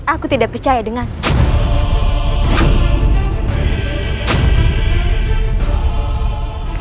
aku tidak percaya denganmu